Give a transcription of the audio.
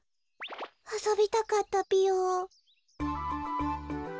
あそびたかったぴよ。